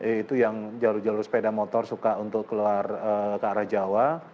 itu yang jalur jalur sepeda motor suka untuk keluar ke arah jawa